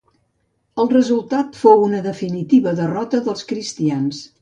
El resultat fou una definitiva derrota dels cristians.